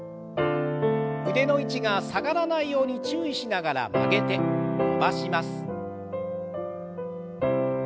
腕の位置が下がらないように注意しながら曲げて伸ばします。